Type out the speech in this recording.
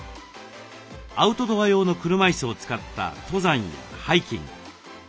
アウトドア用の車いすを使った登山やハイキング。